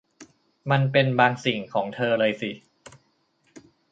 มันเป็นบางสิ่งของเธอเลยสิ